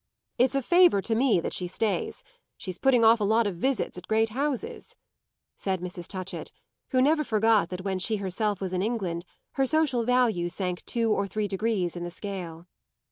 It's a favour to me that she stays; she's putting off a lot of visits at great houses," said Mrs. Touchett, who never forgot that when she herself was in England her social value sank two or three degrees in the scale.